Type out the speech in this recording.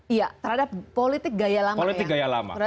iya terhadap politik gaya lama ya